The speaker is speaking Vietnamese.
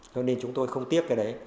cho nên chúng tôi không tiếc cái đấy